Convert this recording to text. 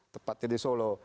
tepatnya di solo